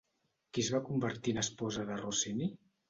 Qui es va convertir en esposa de Rossini?